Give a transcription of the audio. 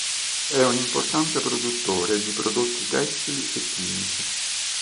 È un importante produttore di prodotti tessili e chimici.